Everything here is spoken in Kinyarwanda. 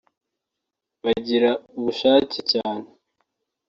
bagira ubushake cyane